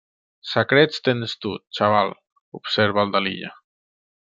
Secrets tens tu, xaval —observa el de l’Illa.